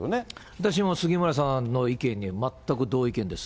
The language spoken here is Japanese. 私も杉村さんの意見に全く同意見です。